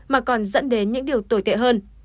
mà còn dẫn đến những điều tồi tệ hơn